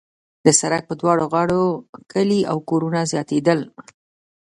د سړک پر دواړو غاړو کلي او کورونه زیاتېدل.